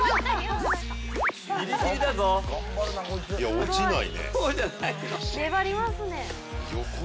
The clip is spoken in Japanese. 落ちない。